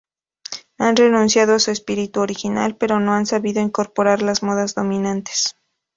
Han renunciado a su espíritu original pero no han sabido incorporar las modas dominantes.